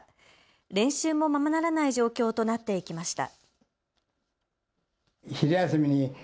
練習もままならない状況となっていきました。